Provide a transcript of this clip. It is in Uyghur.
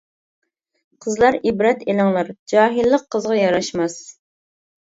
قىزلار ئىبرەت ئېلىڭلار، جاھىللىق قىزغا ياراشماس.